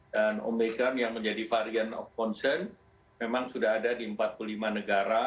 dan omicron yang menjadi variant of concern memang sudah ada di empat puluh lima negara